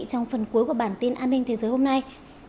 xin kính chào tạm biệt và hẹn gặp lại